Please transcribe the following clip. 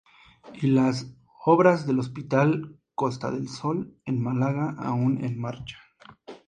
Y las obras del Hospital Costa del Sol en Málaga aún en marcha.